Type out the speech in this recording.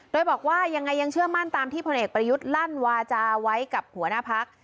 โดยบอกว่ายังไงยังเชื่อมั่นตามที่พลเอกประยุทธ์ลั่นวาจาไว้กับหัวหน้าพัก